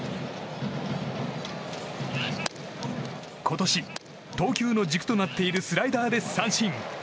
今年、投球の軸となっているスライダーで三振。